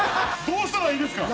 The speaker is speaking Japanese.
どうしたらいいんですか？